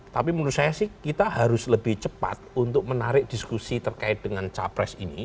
tapi menurut saya sih kita harus lebih cepat untuk menarik diskusi terkait dengan capres ini